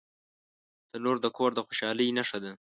تنور د کور د خوشحالۍ نښه ده